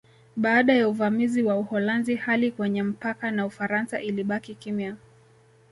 Baada ya uvamizi wa Uholanzi hali kwenye mpaka na Ufaransa ilibaki kimya